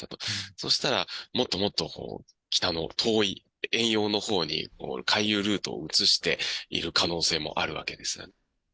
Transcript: そうしたら、もっともっと北の遠い遠洋のほうに、回遊ルートを移している可能性もあるわけです。